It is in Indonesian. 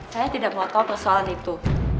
saya tidak mau tahu persoalan itu